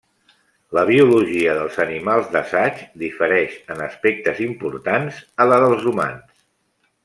La biologia dels animals d'assaig difereix en aspectes importants a la dels humans.